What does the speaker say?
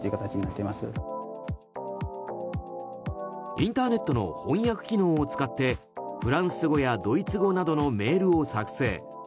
インターネットの翻訳機能を使ってフランス語やドイツ語などのメールを作成。